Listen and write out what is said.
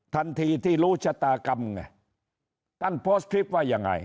ทันทีที่รู้ชะตากรรมไงท่านโพสต์คลิปว่ายังไง